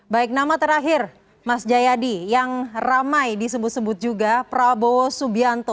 baik nama terakhir mas jayadi yang ramai disebut sebut juga prabowo subianto